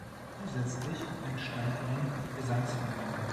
Zusätzlich entstand ein Gesangsverein.